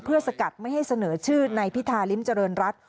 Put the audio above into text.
เพื่อสกัดไม่ให้เสนอชื่อในพิธาริมเจริญรัฐ